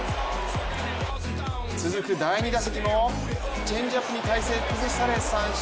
続く第２打席もチェンジアップに体勢を崩され三振。